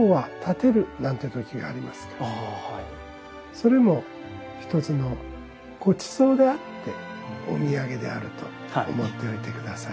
それも一つのごちそうであってお土産であると思っておいて下さい。